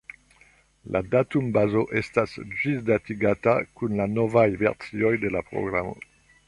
La datumbazo estas ĝisdatigata kun la novaj versioj de la programo.